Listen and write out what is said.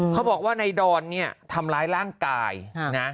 เขาบอกว่าในดอนนี่ทำร้ายร่างกายผัวกลับไม่สร้าง